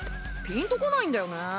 ピンとこないんだよね。